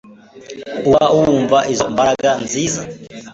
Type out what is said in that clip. uba wumva izo mbaraga nziza